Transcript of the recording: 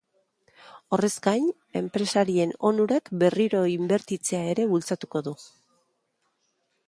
Horrez gain, enpresarien onurak berriro inbertitzea ere bultzatuko du.